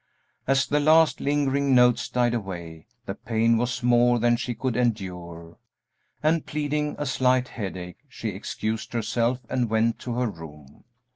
As the last lingering notes died away, the pain was more than she could endure, and, pleading a slight headache, she excused herself and went to her room.